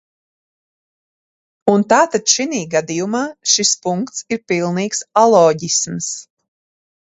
Un tātad šinī gadījumā šis punkts ir pilnīgs aloģisms.